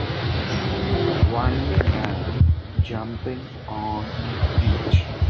One man jumping on beach.